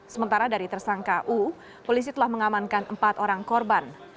sementara dari tersangka u polisi telah mengamankan empat orang korban